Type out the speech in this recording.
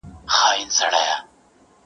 • بیګا خوب وینم پاچا یمه سلطان یم,